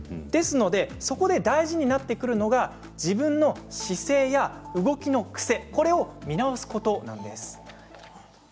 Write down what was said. そこで大事になってくるのが自分の姿勢や動きの癖を見直すことです。